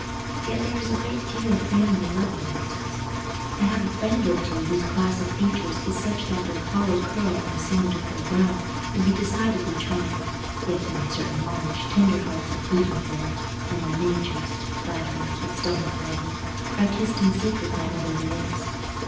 Yet there is a great deal of family love amongst us. I have a friend or two whose class of features is such that the Apollo curl on the summit of their brows would be decidedly trying; yet to my certain knowledge tender hearts have beaten for them, and their miniatures—flattering, but still not lovely—are kissed in secret by motherly lips.